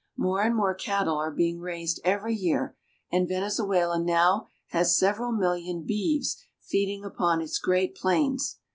More and more cattle are being raised every year, and Venezuela now has several million beeves feeding upon its great plains.